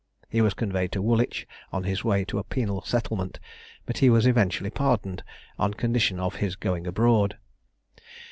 He was conveyed to Woolwich on his way to a penal settlement, but he was eventually pardoned on condition of his going abroad.